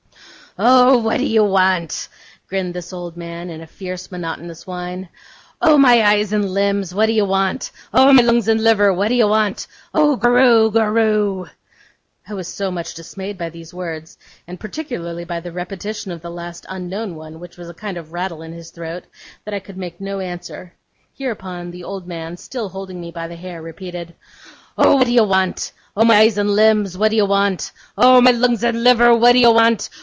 'Oh, what do you want?' grinned this old man, in a fierce, monotonous whine. 'Oh, my eyes and limbs, what do you want? Oh, my lungs and liver, what do you want? Oh, goroo, goroo!' I was so much dismayed by these words, and particularly by the repetition of the last unknown one, which was a kind of rattle in his throat, that I could make no answer; hereupon the old man, still holding me by the hair, repeated: 'Oh, what do you want? Oh, my eyes and limbs, what do you want? Oh, my lungs and liver, what do you want?